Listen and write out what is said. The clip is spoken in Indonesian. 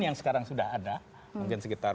yang sekarang sudah ada mungkin sekitar